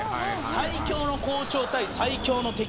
最強の校長対最強の敵。